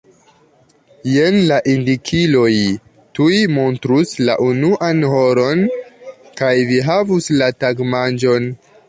Jen la indikiloj tuj montrus la unuan horon kaj vi havus la tagmanĝon.